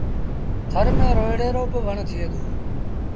ٿر ميݩ روئيڙي رو با وڻ ٿئي دو۔